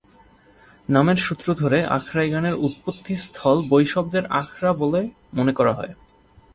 নামের সূত্র ধরে আখড়াই গানের উৎপত্তিস্থল বৈষ্ণবদের আখড়া বলে মনে করা হয়।